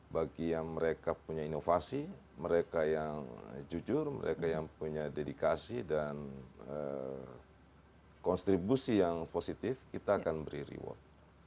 bagi yang mereka punya inovasi mereka yang jujur mereka yang punya dedikasi dan kontribusi yang positif kita akan beri reward